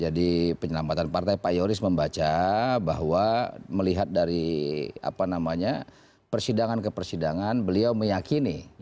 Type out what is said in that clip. jadi penyelamatan partai pak yoris membaca bahwa melihat dari persidangan ke persidangan beliau meyakini